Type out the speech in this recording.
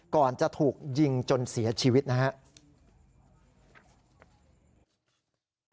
ก่อนจะถูกยิงจนเสียชีวิตนะครับ